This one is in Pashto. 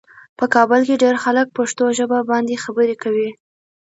په کابل کې ډېر خلک پښتو ژبه باندې خبرې کوي.